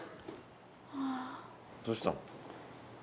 どうした？